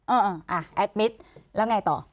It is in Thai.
อ่าอ่ะแอดมิตรแล้วไงต่อ